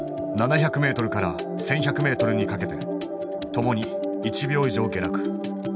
７００ｍから１，１００ｍにかけてともに１秒以上下落。